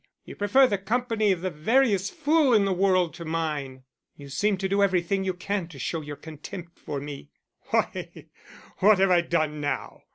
You prefer the company of the veriest fool in the world to mine. You seem to do everything you can to show your contempt for me." "Why, what have I done now?"